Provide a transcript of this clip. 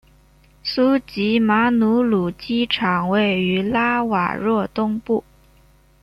苏吉马努鲁机场位于拉瓦若东部。